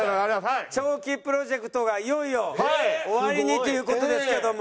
長期プロジェクトがいよいよ終わりにという事ですけども。